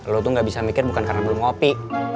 lu tuh gak bisa mikir bukan karena belum ngopi